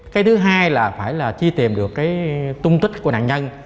cái thứ hai là phải là chi tìm được cái tung tích của nạn nhân